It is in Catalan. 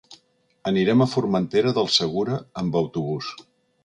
Anirem a Formentera del Segura amb autobús.